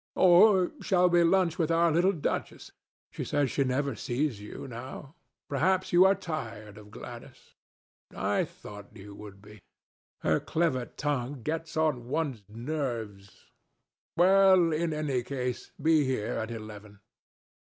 Or shall we lunch with our little duchess? She says she never sees you now. Perhaps you are tired of Gladys? I thought you would be. Her clever tongue gets on one's nerves. Well, in any case, be here at eleven."